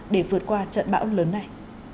để vượt qua trận bão lớn này